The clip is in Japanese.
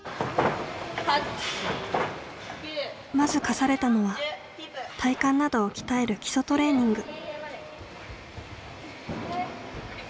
まず課されたのは体幹などを鍛える基礎トレーニング。